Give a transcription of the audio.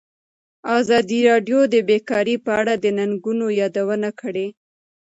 ازادي راډیو د بیکاري په اړه د ننګونو یادونه کړې.